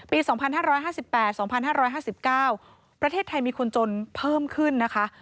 ปี๒๕๕๘๒๕๕๙ประเทศไทยมีคนจนเพิ่มขึ้นนะคะ